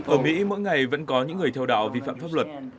ở mỹ mỗi ngày vẫn có những người theo đạo vi phạm pháp luật